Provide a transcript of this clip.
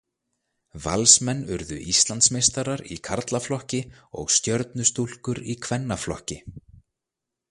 Valsmenn urðu Íslandsmeistarar í karlaflokki og Stjörnustúlkur í kvennaflokki.